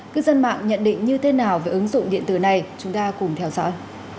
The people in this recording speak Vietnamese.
cư dân mạng nhận định như thế nào về ứng dụng điện tử này chúng ta cùng theo dõi